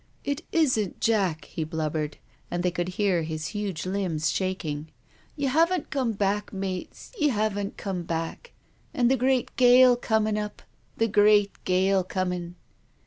" It isn't Jack," he blubbered, and they could hear his huge limbs shaking. " Ye haven't come back, mates, ye haven't come back. And the great gale comin' up, the great gale comin'."